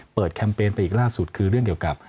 แคมเปญไปอีกล่าสุดคือเรื่องเกี่ยวกับ